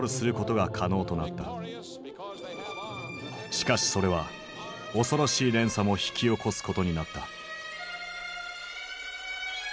しかしそれは恐ろしい連鎖も引き起こすことになった。